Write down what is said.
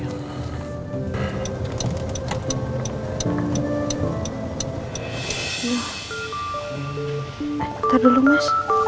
ntar dulu mas